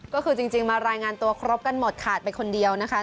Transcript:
ก็คือจริงมารายงานตัวครบกันหมดขาดไปคนเดียวนะคะ